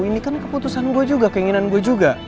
ini kan keputusan gue juga keinginan gue juga